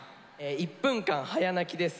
１分間早泣きです。